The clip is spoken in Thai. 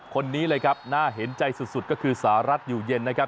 คนนี้เลยครับน่าเห็นใจสุดก็คือสหรัฐอยู่เย็นนะครับ